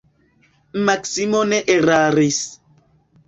Maksimo ne eraris.